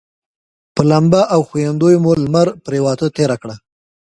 په لمبا او ښویندیو مو لمر پرېواته تېره کړه.